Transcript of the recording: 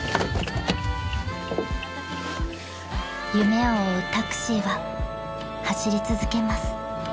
［夢を追うタクシーは走り続けます］